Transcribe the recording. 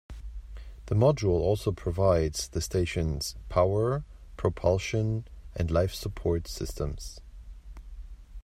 The module also provides the station's power, propulsion, and life support systems.